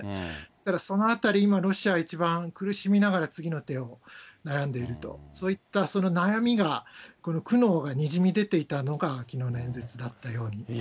ですから、そのあたり、今、ロシア、一番苦しみながら、次の手を悩んでいると、そういったその悩みが、この苦悩がにじみ出ていたのが、きのうの演説だったように思いま